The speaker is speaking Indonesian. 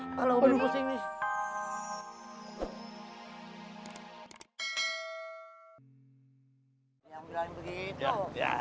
kalau umi pusing nih